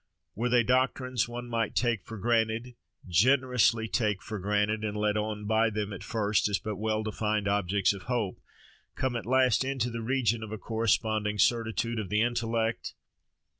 Were they doctrines one might take for granted, generously take for granted, and led on by them, at first as but well defined objects of hope, come at last into the region of a corresponding certitude of the intellect?